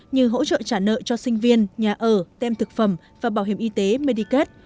như hỗ trợ trả nợ cho sinh viên nhà ở tem thực phẩm và bảo hiểm y tế medicate